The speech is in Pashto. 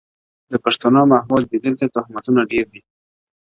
د پښتنو ماحول دی دلته تهمتوته ډېر دي.